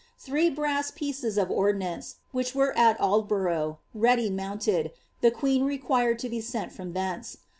Thire brass pieces of ordnance, which were ai Aldboniugh. resdf I tnoutited, the queen required to be sent from thence.